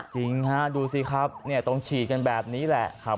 จริงฮะดูสิครับต้องฉีดกันแบบนี้แหละครับ